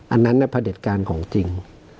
อันนั้นพระเด็จการของจริง